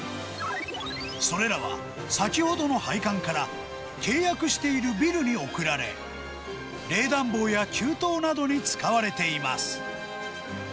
それらは、先ほどの配管から契約しているビルに送られ、冷暖房や給湯などに使われています。